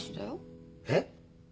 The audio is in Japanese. えっ！？